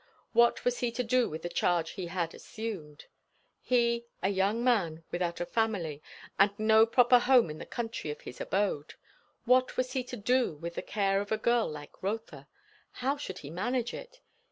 What was he to do with the charge he had assumed? He, a young man without a family, with no proper home in the country of his abode, what was he to do with the care of a girl like Rotha? how should he manage it?